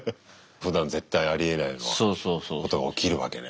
ふだん絶対ありえないことが起きるわけね。